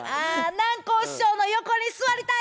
南光師匠の横に座りたい！